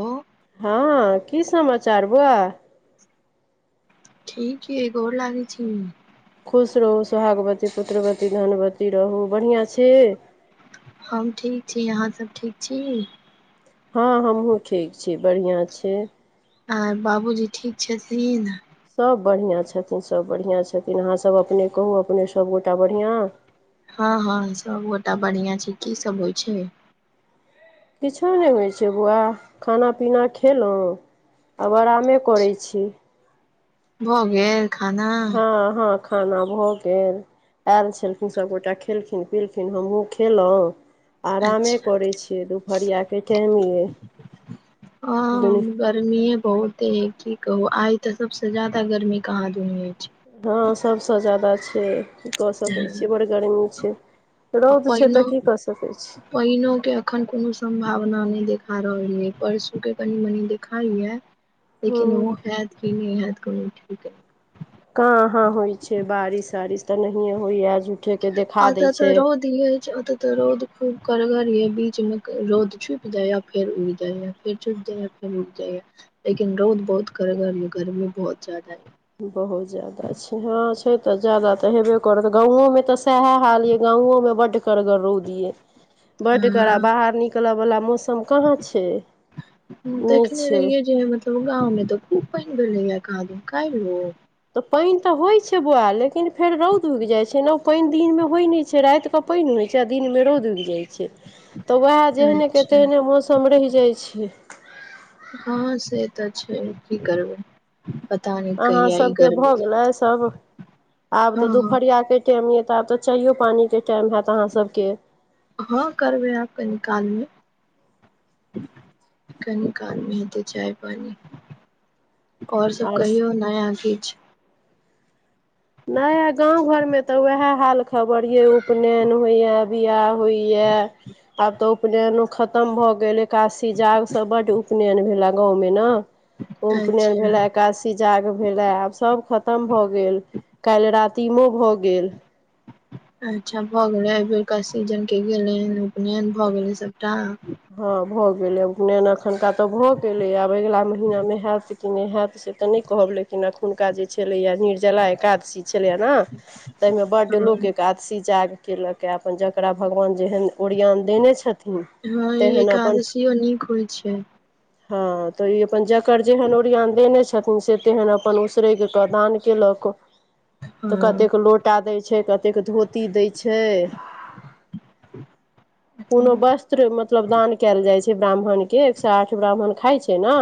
ओ हँ की समाचार बुआ ठीकी गोर लागै छी खुश रहू सोहागवती पुत्रवती धनवती रहू बढ़िआँ छै हम ठीक छी अहाँसभ ठीक छी हँ हमहुँ ठीक छी बढ़िआँ छी हँ बाबूजी ठीक छथिन सभ बढ़िआँ छथिन सभ बढ़िआँ छथिन अहाँसभ अपने कहू अपने सभगोटा बढ़िआँ हँ हँ सभगोटा बढ़िआँ छै कीसभ होय छै किछो नहि होय छै बौआ खाना पीना खैलौं आब आरामे करै छी भ गेल खाना हँ हँ खाना भ गेल आयल छलखिन सभगोटा खेलखिन पिलखिन हमहूँ खयलहुँ आरामे अच्छा करै छियै दुपहरियाके टाइम य हँ गर्मीऐ बहुत य की कहू आइ ते सबसे ज्यादा गर्मी कहा दुन अछि हँ सभसँ ज्यादा छै की कऽ छै सकै छियै बड़ गर्मी छै आ रौद छै तऽ पाइनो की कऽ सकै छी पाइनो के अखन कोनो सम्भावना नहि देख रहलै परसू के कनी मनी दिखाई है लेकिन ओ हूँ हयैत की न हयेत [unintelligible] कहाँ हाँ होइ छै बारिश वारिश तऽ नहि हे होय ये आज आत तऽ रौद ई छै ओ तऽ रौद खूब करगर ये बीचमे रौद छुप जाय या फेर उग जाय या फेर छुप जाय आ फेर उड़ जाय या लेकिन रौद बहुत करगर गर्मी बहुत ज्यादा या बहुत ज्यदा छै हँ छै तऽ ज्यादा तऽ हेबे करत गाँवे मे तऽ सएहे हाल ये गाँवे मे बड करगड़ रौद ये बड करा अ बाहर निकलब बला म नहि देखने छै रहियै जे मतलब गाँमे तऽ खूब पैन भेललैय कहादिन कलिएह पैन त होय छै बौआ लेकिन फेर रौद उइग जाय छै न पैन दिन मे होय न छै राति के पैन हो छै दिनमे रौद उग जाइ छै तऽ वै जेहने के अच्छा तेहने मौसम रहि जाइ छै हँ से तऽ छै की करबै तान अहाँ कहि आइ सभके गरमी भऽ गेलै जात सभ आब तऽ दुपहरिया के टैम मे त आब तऽ चायो पानी के हँ करबे आब कनिकाल मे कनि काल मे हेतै चाय पानी आओर सब आर कहियौ नया किछ नाय गाँंव घरमे तऽ उएह हाल खबर ये उपनयन होइया बियाह होइ या आब तऽ उपनयनो खत्म भऽ गेल एकादशी जग सब बड उपनयन भेला गाँंव मे ने उपनयन अच्छा भेला एकादशी जाग भेले आब सब खत्म भऽ गेल काल्हि रातिम भए गेल अच्छा भऽ गेलैय ऐबेरका सीजन के गेलै हन उपनयन भऽ गेलै सभटा हँ भऽ गेलै आब उपनयन आओर सबटा तऽ भऽ गेलै आब अगिला महीना मे हयत होयत से तऽ नहि कहब लेकिन एखुनका जे छलै या निर्जला एकादशी छलै न ताहिमे बड्ड हँ लोक के एकादशी जाग कयेलऽ कऽ अपन जकरा भगवान जेहन ओरियान देने छथिन इ तेहन अपन एकादशीओ नीक होइ छै हँ तऽ ई अपन जकर जेहन ओरियन देने छथिन से तेहन अपन उसरेग कऽ दान केल तऽ हँ कतेक लोटा दैय छै क कतेक धोती दै छै कोनो वस्त्र मतलब दान कयल जाइ छै ब्राह्मण के एकसोआठ ब्राह्मण खैय छैय ना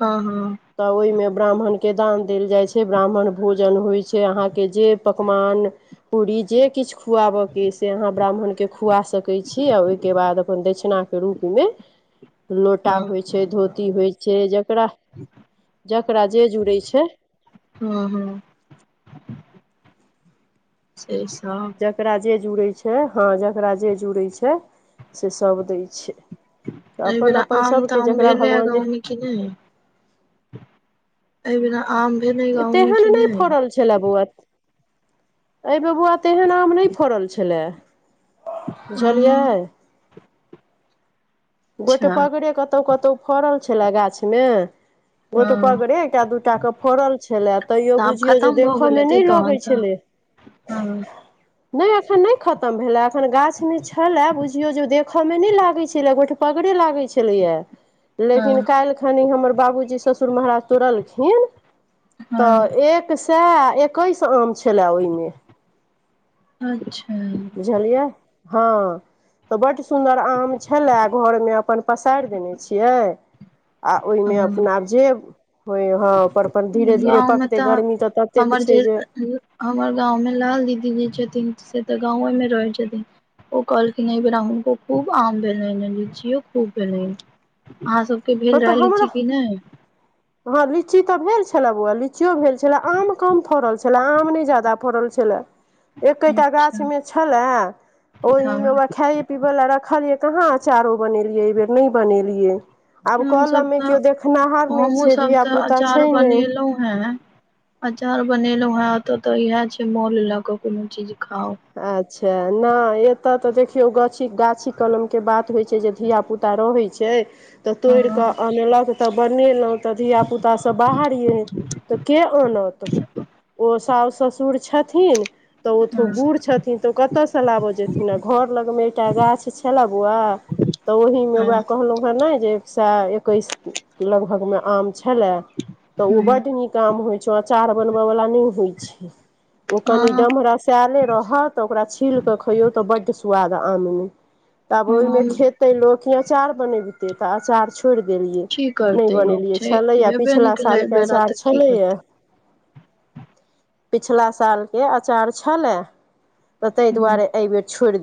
हँ हँ त ओइ मे ब्राह्मण के दान देल जाइ छै ब्राह्मण भोजन होइ छै अहाँके जे पकवान पूरी जे किछु खुआबऽके से अहाँ ब्राह्मणके खुआ सकै छी आ ओहिके बाद अपन दछिणा के रूप मे लोटा हँ होइ छै धोती ई होइ छै जकरा जकरा जे जुड़ै छै हँ हँ सेब जकरा जे जुड़ै छै हँ जकरा जे जुड़ै छै से सब दै छै तऽ एहि अपन बेरा अपन आम सभके ताम जकरा भेलै भगवान जे गाँव मे कि नहि एहि बिना तहन नहि फड़ल छलेल बौआ अय बेर बौआ तहन आम नै फड़ल छला बुझलियै हँ गोटे अच्छा पगड़े कतहु कतहु फड़ल छलए गाछमे गोटे हँ पगड़े एकटा दूट के फड़ल छलै तऽ तैयो आब बुझियौ जे देखय मे नय लगै छलै हाँ नय अखन नय खतम भेले एखन गाछ ने छलए बुझियो जे देखे मे न लागे छल गो पगड़े लागै छलैया लेकिन हँ काल्हिखनि हमर बाबूजी ससुर महाराज तोड़लखिन हँ तऽ एक सए एकैस आम छलय ओहिमे अच्छा बुझलियै हँ तऽ बड्ड सुन्दर आम छलए घरमे अपन पसारि देने छियै आ ओहिमे हँ अपना आब जे होइ ह गाँव मे तऽ ततेक हमर छै जे हमर गाँंव मे लाल दीदी जे छथिन से तऽ गाँवमे रहै छथि ओ कहलखिन यै बेरा हुनको खूब आम भेलैयन अ लिचीओ खूब भेलैन अहाँ सबके भेल हँ तऽ रहै हमरा लिची कि नय हँ लीची तऽ भेल छले बौआ लीचियो भेल छले आम कम फरल छलै छलै आम नय जदा फड़ल छलै एकेटा गाछ अच्छा में छलए ओहि मे हँ व खाय पीबे ल रखल कहाँ अचारो बनेलियै एहि बेर नय बनेलियै आब हमसभ कलमे तऽ केओ देखनाहार नय हमहुँ छै सब तऽ धियापुता छै अचार नय बनेलहुं हें अचार बनेलहु हें एतो तऽ इएह छै मोल ला कऽ कोनो चीज खाउ अच्छा नय एतऽ तऽ देखियौ गा गाछी कलमके बात होइ छै जे धियापुता रहै छै तऽ हँ तोड़ि कऽ हँ अनलक तऽ बनेलहुँ तऽ धियापुतासभ बाहर यै तऽ के आनत ओ सास ससुर छथिन तऽ ओ तो हँ बुढ़ छथिन तऽ ओ कतयसँ लाबऽ जेथिन आ घर लगमे एकटा गाछ छलै बौआ तऽ ओहिमे ओकरा ह कहलहु हेँ ने जे एक सए एकैस लगभगमे छलय तऽ ओ हँ बड्ड नीक काम होइत छै अचार बनबयवला नय होइ छै ओ कनि हँ, डमरा साले रह तऽ ओकरा छील क खइयौ तऽ बड्ड स्वाद आममे तब ओहिमे खेतै लोक कि अचार बनेबतै तऽ अचार छोड़ छोड़ देलियै की नय करते लोग बनेलियै छै छलै भेबे नहि पिछिला केलै एहि सालके बेरा अचार तऽ की छलैए करतै पिछला सालके अचार छलै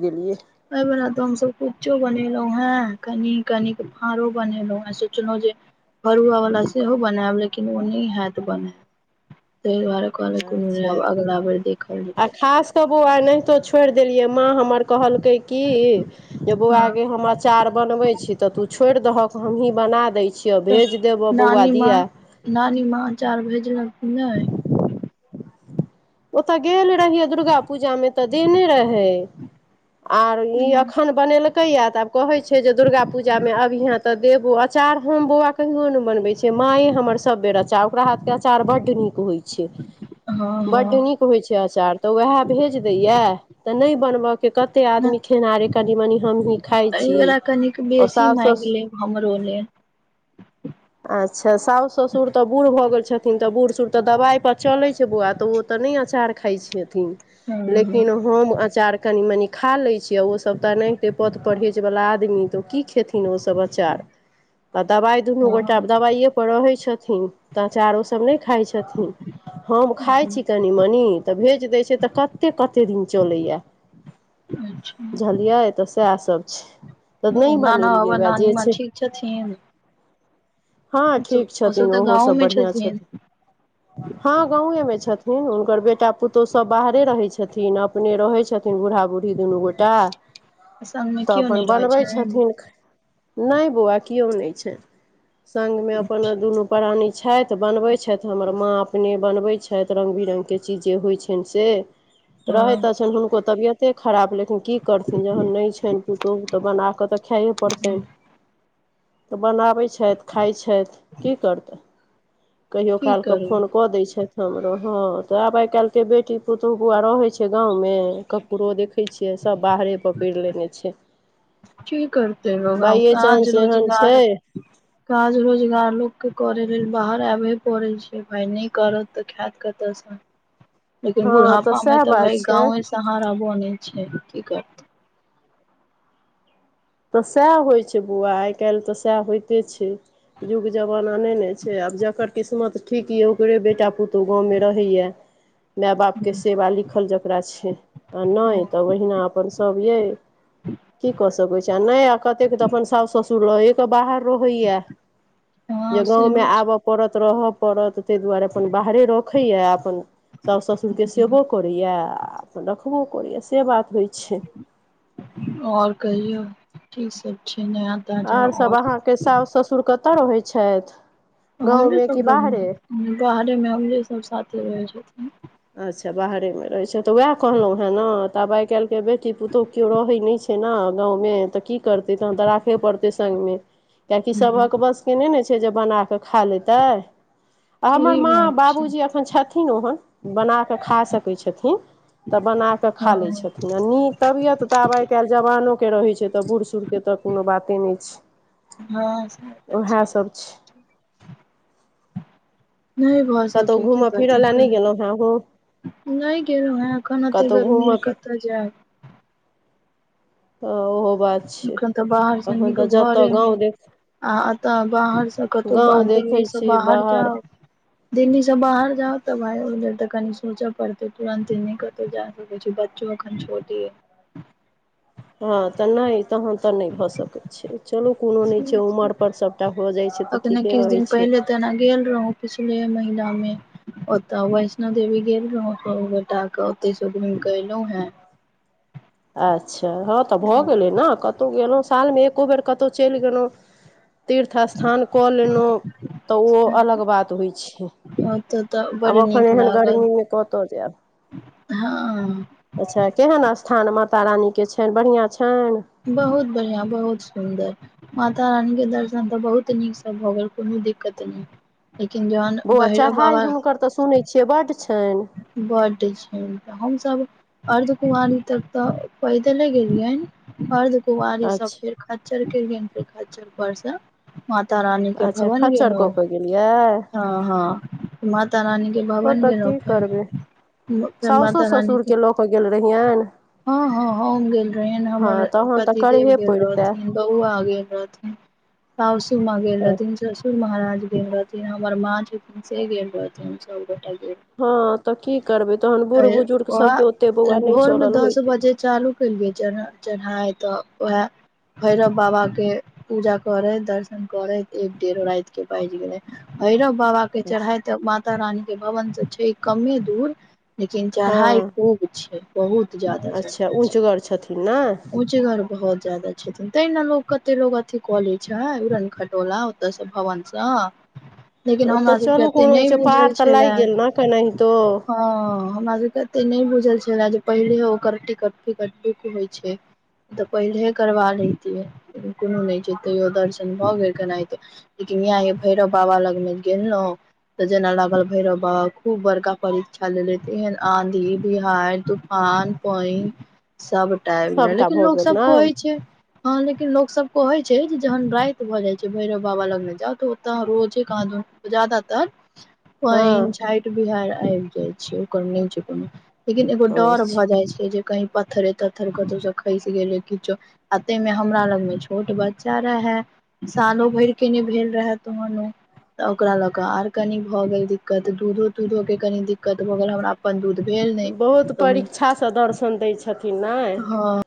देलियै बला तऽ हमसब तऽ कुच्चो बनेलहुं हन कनी कनिक फाड़ो बनेलहु सोचलहु जे फरुआ वाला सेहो बनायब लेकिन कनोनी हैत बना त दुआारे कहलने अच्छा अब अगला बेर देखल जेतै हो आइनाहितो छोड़ि देलियै माँ हमर कहल कहल कय कि बोआ हँ गे हम आचार बनबयी छी तऽ तु छोईड़ दहक हमही बना दै छै तऽ नानी माँ नानी माँ अचार भेजलन की नय ओतय गेल रहियै दुर्गा पूजामे तऽ देने रहै आर ई एखन बनेलकैए तऽ आब कहैत छै जे दुर्गा पूजामे अभि हाँ तऽ देबू अ अचार हम बौआ कहियो नहि बनबै छियै मायए हमर सब बेर अचार ओकरा हाथके अचार बड्ड नीक होइ छै छी हँ हँ बड्ड नीक होय छै अचार तऽ उएह भेज देयये ते नय बनबय के कते आदमी खेनाहारे कनी मनी हमही खाइ एहि छी बेेरा कनिक बेसी मांईग लेब हमरो ले आ अच्छा साउस ससुर तऽ बूढ़ भऽ गेल छथिन तऽ बूढ़ सूढ़ तऽ दवाइ पर चलै छै बुआ नहि अचार खय छथिन हँ हँ लेकिन हम अचार कनिमनि खा लै छी किए ओ सभ तऽ ओनहिते पथ परहेजवला आदमी तऽ ओ की खेथिन ओ सभ अचार तऽ दबाइ दुनू गोटा हँ दबाइए पर रहै छथिन तऽ अचार ओ सभ नहि खाइ छथिन हम खाय छी कनिमनी तऽ भेज दै छै तऽ कतेय कतेय दिन चलैया अच्छा बुझलियै तऽ सएह सभ छै तऽ ओ नहि नाना बनेलियै बाबा वएह नानी जे माँ छै ठीक छथिन हँ ठीक छथिन ओसभ तऽ ओहो सभ गाँवमे बढ़िआं छथिन हँ गवयेमे छथिन हुनकर बेटा पुतोह सभ बाहरे रहय छथिन अपने रहय छथिन बूढ़ा बूढ़ी दुनू गोटा संगमे तऽ केओ नहि अपन रहै बनबैय छनि छथिन नहि बौआ कियो नहि छै संगमे अपन दुनू प्राानी छथि बनबैय छथि हमर माँ अपने बनबैत छथि रंग बिरंग केँ चीज जे होइत छनि से रहय हँ तऽ छै हुनको तबियते खराब लेकिन की करथिन जहन नहि छनि पुतौहु तऽ बना कऽ तऽ खाये पड़तनि तऽ बनाबै छथि खाइ छथि की करतय कहियो की काल केँ करू फोन कऽ दै छथि हमरो हँ तऽ आब आइ काल्हि केँ बेटी पुतोहु बौआ रहय छै गांवमे ककरो देखय छिये सब बाहर घरे पर पड़ लेने छै की करतय लोग आब बाइए काज चांस एहन छै रोजगार काज रोजगार लोक केँ करय बाहर आबहे पड़य छै भाय नहि करत तऽ खायत कतय सँ लेकिन हँ बुढ़ापामे सएह तऽ भाय बात छै गाँवे सहारहारा बनै छै की करतै तऽ सएह होइ छै बौआ आइ काल्हि तऽ सएह होइते छै युग जमाना नहि ने छै आब जकर किस्मत ठीक यै ओकरे बेटा पुत तऽ उ गाँवमे रहैए माय बाप केँ करतै सेवा लिखल जकरा छै आ नहि तऽ ओहिना अपन सभ अइ की कऽ सकै छी कतेक तऽ अपन सास ससुर लये कऽ बाहर ओ होइये जे हँ गाँवमे सेहो आबय पड़त रहय पड़त ताहि दुआरे अपन बाहरे रखैए अपन साास ससुरके छै सेबो करैए आ अपन रखबो करैय से बात होइ छै आओर कहियऔ की सब ठी आओर सभ अहाँ केँ साउस ससुर कतय रहै छथि हमरे गाँवमे सभ कि बाहरे लगमे बाहरेमे हमरे सभ साथे रहै छथिन अच्छा बाहरेमे रहैत छै तऽ उएह कहलहुँ हे ने तऽ आब आइ काल्हि बेटी पुतोहु केओ रहै नै छै न गाँंवमे तऽ की करतै तहन तऽ राखे पड़ते संगमे कियाकि सबक बस केँ नै नै छै जे बना केँ खा लेतय आ हमर सही माँ बात छै बाबूजी एखन छथिन ओहन बना कऽ खा सकय छथिन तऽ बना कऽ खा लै हँ छथिन आ नीक तबियत तऽ आब आइ काल्हि जवानोे केँ रहय छै तऽ बूढ़ सूढ़ केँ तऽ कोनो बाते नहि छै हँ सैह त छै नहि भऽ कतहु सकय की घूमय फिरय करथिन लए कर नहि गेलहुँ हेँ अहूँ नहि गेलहु हैं एखन एते कतहु घूमय गर्मीमे फिर कतऽ जायब ओहो बात छै एखन तऽ बाहर सँ अखन निक तऽ जतऽ घरेमे गाँव देख आ एतय बाहर सँ कतहु गाँव दिल्ली देखै सँ छी बाहर जाउ दिल्लीसँ बाहर जाउ तऽ भाय ओहि लेल तऽ कनी सोचय पड़तय तुरन्ते नहि कतौ जा होय छै बच्चो ओ एखन छोटी है हँ तऽ नै तहन तऽ नहि भऽ सकै छै चलू कोनो नहि छै उमर पर सभटा भऽ जाय छै तऽ सबटा अखने ठीके रहै छै गेल रहुँ पछले महिना में ओता वैष्णो देवी गेल रहोक ओतेक बेटा के गेलहुँ हंय अच्छा हँ तऽ भऽ गेलै हें ने कतहु गेलहुँ सालमे एको बेर कतहु चलि गेलहुँ तीर्थ स्थान कऽ लेलहुँ तऽ ओ अलग बात होइ छै ओतऽ तऽ तऽ बड आब एखन नीक एहन लागल गर्मीमे कतहु जायब हँ अच्छा केहन स्थान माता रानी के छनि बढ़िआं छै बहुत बढ़िआं बहुत सुन्दर माता रानीके दर्शन तऽ बहुत नीकसँ भऽ गेल कोनो दिक्कत नहि लेकिन जहन बौआ भैरब चढ़ाइ बाबा हुनकर तऽ सुनै छियै बड्ड छनि बड्ड छै तऽ हमसभ अर्ध कुमारी तक तऽ पैदले गेलियैन अर्ध कुवारीसभ अच्छा फेर खज्जर केलियनि फेर खज्जर परसँ माता रानी के अच्छा भवन खच्चर गेलो कऽ के गेलियै हँ हँ माता रानी के भवन गेलो करबे सौसो रानी के ससुरके लेके गेल रहियनि हँ हँ हम गेल रहेन हमर तहन तऽ पतिदेव करहे गेल पड़ितै रहथिन आ गेल रहथिन साउसु गेल रहथिन ससुर माँ महाराज गेथि हमर माँ से गेल रहथिन हँ तऽ की करबै तहन बूढ़ बुजुर्ग ओहा सबके ओते बौआ नहि भोरमे चलल दस होइतै बजे चालू कऽलिय चढ़ाइ तऽ वएह भैरव बाबा के पूजा करे दर्शन करे एक डेढ़ राति के बाजि गेले भेरव बाबा के चढ़ाई तऽ माता रानी के भवन से छै कमे दूर लेकिन हँ चढ़ाई खूब छै बहुत अच्छा ऊँचगर छथिन ने ऊँच गर बहुत ज्यादा छै त तै ने लोकग कतेक लोकोग अथी कले छै उड़न खटोला ओतयसँ भवनसँ ओ तऽ चलू कोनो छै पड़ बुझल तऽ लाग गेल न क नहि तो ह हमरा सबके एते नहि बुझल छै जे पहिले ओकर टिकट फिकट बुक होइ छै तऽ पहिलहे करबा लेैतियै कोनो नहि छै तैयो दर्शन भऽ गेल केनाहितो य भैरव बाबा लग मे गेलहुं तऽ जेना लागल भैरव बाबा खूब बरका परीक्षा ले लेती है आँधी बिहार तूफान पैंन सबटाइम सभटा लेकिन भऽ लोक गेल सब ने कोै छै हँ लेकिन लोक सब कहैत छै जे जहन राति भऽ जाइ छै भैरव बाबा लगने जाउ तऽ ओतऽ रोजे कहाँ जाइत पनि हँ झाठि बिहारि आबि जाय छै ओकर नहि छै कोनो लेकिन एगो डर भऽ अच्छा जाइ छै जे की पत्थरे तत्थर कतौ स खसिगेले किछो आ तै में हमरा लग में छोट बच्चा रहे सालो भरि के नहि भेल रहे तोहर तऽ ओकरा लऽ कऽ आर कनी भऽ गेल दिक्कत दूधो तूधो के कनी दिक्कत भऽ गेल हमरा अपन दूध भेल बहुत नहि तऽ परीक्षासँ दर्शन दै छथिन नहि हँ